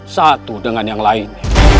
satu dengan yang lain